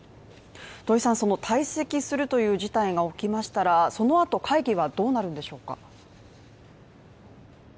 その退席するという事態が起きましたら、その後会議はどうなるんでしょうか？